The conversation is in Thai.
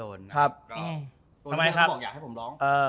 โดนที่ควรบอกอยากให้ผมร้อง